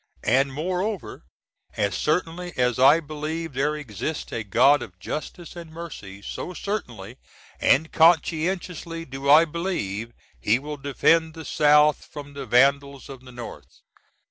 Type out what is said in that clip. And, moreover, as certainly as I believe there exists a God of Justice & Mercy, so certainly & conscientiously do I believe He will defend the South from the Vandals of the North.